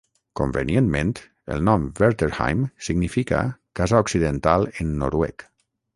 Convenientment, el nom "Verterheim" significa "casa occidental" en noruec.